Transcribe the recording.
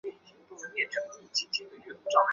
我们不容忍对自由的挑衅。